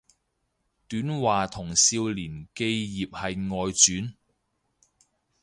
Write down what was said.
短話同少年寄葉係外傳